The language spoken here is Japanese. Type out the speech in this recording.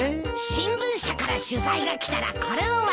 新聞社から取材が来たらこれを渡すんだ。